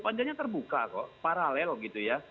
panjangnya terbuka kok paralel gitu ya